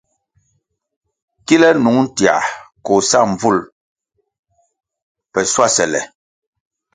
Kile nung tiãh koh sa mbvul le schuasele.